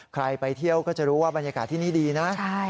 ไปเที่ยวก็จะรู้ว่าบรรยากาศที่นี่ดีนะ